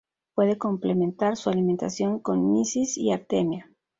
Puede complementar su alimentación con mysis y artemia.